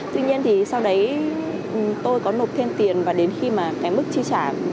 tuy nhiên thì sau đấy tôi có nộp thêm tiền và đến khi mà cái mức chi trả